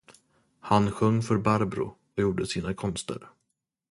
Han sjöng för Barbro och gjorde sina konster.